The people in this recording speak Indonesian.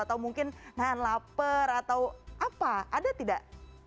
atau mungkin nahan lapar atau apa ada tidak